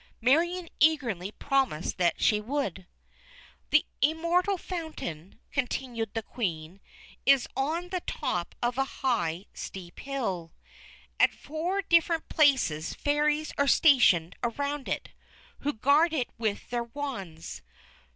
Marion eagerly promised that she would. "The Immortal Fountain," continued the Queen, "is on the top of a high, steep hill. At four different places Fairies are stationed around it, who guard it with their wands.